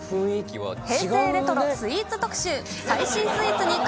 平成レトロ・スイーツ特集。